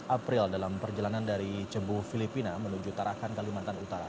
april dalam perjalanan dari cebu filipina menuju tarakan kalimantan utara